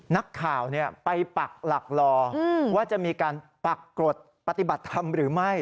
นักข่าวไปปักหลักรอว่าจะมีการปักกรดปฏิบัติธรรมหรือไม่